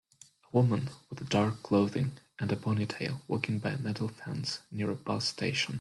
A woman with dark clothing and a ponytail walking by a metal fence near a bus station.